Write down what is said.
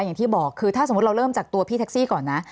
อย่างที่บอกคือถ้าสมมุติเราเริ่มจากตัวพี่แท็กซี่ก่อนนะ